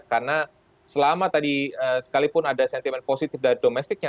karena selama tadi sekalipun ada sentimen positif dari domestiknya